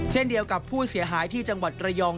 เช่นเดียวกับผู้เสียหายที่จังหวัดระยอง